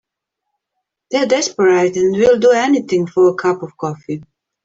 They're desperate and will do anything for a cup of coffee.